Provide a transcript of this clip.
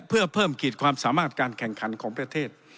เพื่อเพิ่มขีดความสามารถการแข่งขันของประเทศ